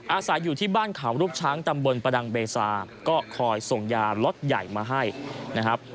อาศัยอยู่ที่บ้านเขารูปช้างตำบลประดังเบซาก็คอยส่งยาล็อตใหญ่มาให้นะครับ